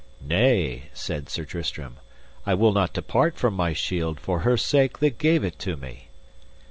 Nay, said Sir Tristram, I will not depart from my shield for her sake that gave it me.